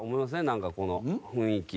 なんかこの雰囲気。